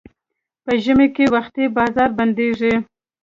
په ژمي کې وختي بازار بندېږي.